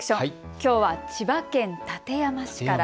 きょうは千葉県館山市から。